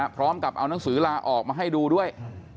พร้อมกับเอานังสือลาออกมาให้ดูด้วย